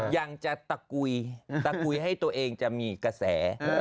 ยังจะตะกุยตะกุยให้ตัวเองจะมีกระแส